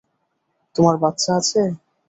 তোমার বাচ্চা আছে?